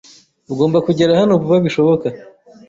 Ugomba kugera hano vuba bishoboka.